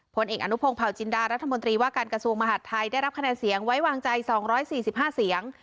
ผลเอกอนุโพงเผาจินดารัฐมนตรีว่าการกระทรวงมหาดไทยได้รับคะแนนเสียงไว้วางใจสองร้อยสี่สิบห้าเสียง